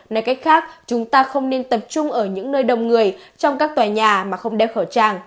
nói cách khác chúng ta không nên tập trung ở những nơi đông người trong các tòa nhà mà không đeo khẩu trang